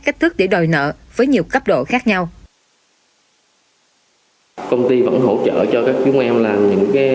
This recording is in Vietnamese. cách thức để đòi nợ với nhiều cấp độ khác nhau ở công ty vẫn hỗ trợ cho các chúng em là những cái